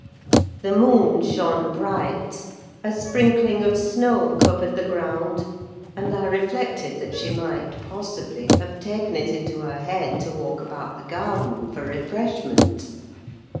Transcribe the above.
The moon shone bright; a sprinkling of snow covered the ground, and I reflected that she might, possibly, have taken it into her head to walk about the garden, for refreshment.